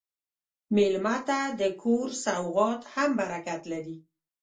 مېلمه ته د کور سوغات هم برکت لري.